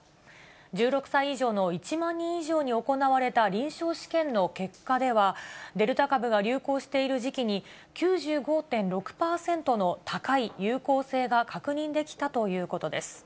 １６歳以上の１万人以上に行われた臨床試験の結果では、デルタ株が流行している時期に９５．６％の高い有効性が確認できたということです。